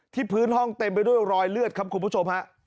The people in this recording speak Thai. พื้นห้องเต็มไปด้วยรอยเลือดครับคุณผู้ชมฮะ